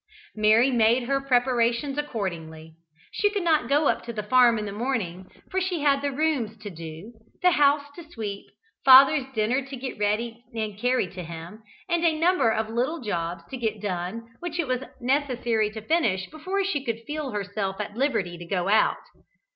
Mary made her preparations accordingly. She could not go up to the farm in the morning, for she had the rooms to "do," the house to sweep, father's dinner to get ready and carry to him, and a number of little jobs to get done which it was necessary to finish before she could feel herself at liberty to go out.